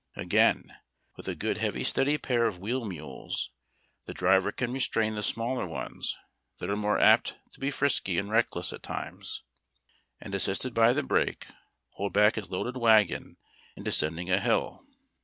Again, with a good heavy steady pair of wheel mules, the driver can restrain the smaller ones that are more apt to be frisky and reckless at times, and, assisted by the brake, hold back his loaded wagon in descending a hill.